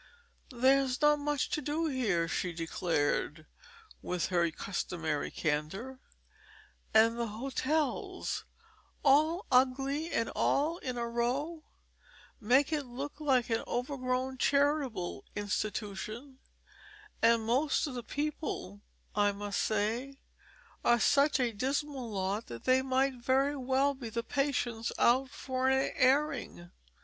"There's not much to do here," she declared, with her customary candor, "and the hotels all ugly and all in a row make it look like an overgrown charitable institution; and most of the people, I must say, are such a dismal lot that they might very well be the patients out for an airing.